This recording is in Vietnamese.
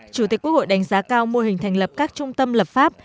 chủ tịch quốc hội đánh giá cao mô hình thành lập các trung tâm lập pháp